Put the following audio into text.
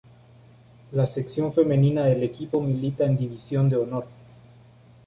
La sección femenina del equipo milita en División de Honor.